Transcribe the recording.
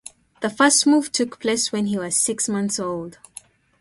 The first move took place when he was six months old.